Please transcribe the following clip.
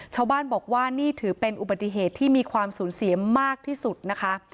ชาวบ้านบอกว่านี่ถือเป็นอุบัติเหตุที่มีความสูญเสียมากที่สุดนะคะ